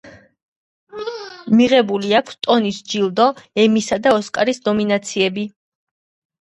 მიღებული აქვს ტონის ჯილდო, ემისა და ოსკარის ნომინაციები.